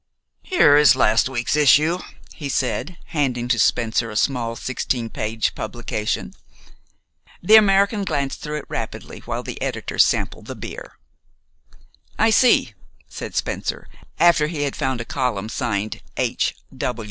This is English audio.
"Here is last week's issue," he said, handing to Spencer a small sixteen page publication. The American glanced through it rapidly, while the editor sampled the beer. "I see," said Spencer, after he had found a column signed "H.